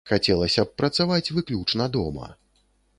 Хацелася б працаваць выключна дома.